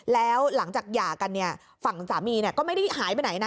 แล้วหลังจากหย่ากันเนี่ยฝั่งสามีก็ไม่ได้หายไปไหนนะ